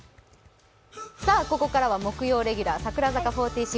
ここからは木曜レギュラー、櫻坂４６